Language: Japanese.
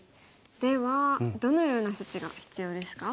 ではどのような処置が必要ですか？